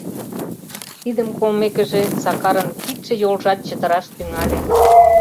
Тидым колмекыже, Сакарын кидше-йолжат чытыраш тӱҥале...